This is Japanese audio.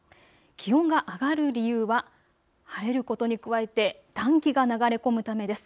気温が上がる理由は晴れることに加えて暖気が流れ込むためです。